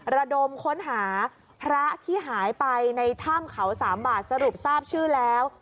ระดมค้นหาพระที่หายไปในถ้ำเขาสามบาทสรุปทราบชื่อแล้ว